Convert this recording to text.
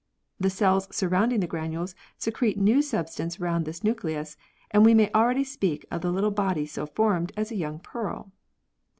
The cells surrounding the granules secrete new substance round this nucleus, and we may already speak of the little body so formed as a young pearl.